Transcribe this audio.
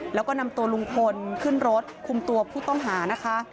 แล้วก็นำตัวลุงพลขึ้นรถคุมตัวผู้ต้องหานะคะ